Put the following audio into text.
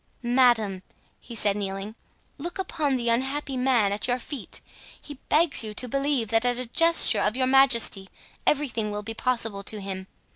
"Madame," he said, kneeling, "look upon the unhappy man at your feet. He begs you to believe that at a gesture of your majesty everything will be possible to him.